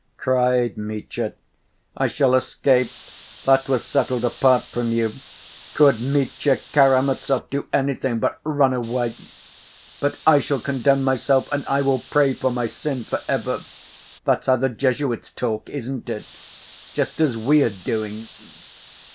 cried Mitya. "I shall escape, that was settled apart from you; could Mitya Karamazov do anything but run away? But I shall condemn myself, and I will pray for my sin for ever. That's how the Jesuits talk, isn't it? Just as we are doing?"